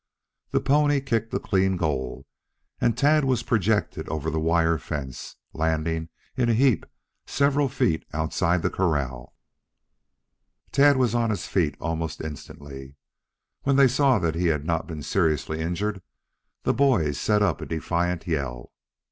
The pony kicked a clean goal and Tad was projected over the wire fence, landing in a heap several feet outside the corral. The lad was on his feet almost instantly. When they saw that he had not been seriously injured the boys set up a defiant yell.